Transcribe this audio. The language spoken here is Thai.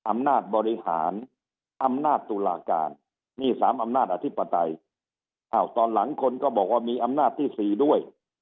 อำนาจบริหารอำนาจตุลาการนี่๓อำนาจอธิปไตยอ้าวตอนหลังคนก็บอกว่ามีอำนาจที่๔ด้วย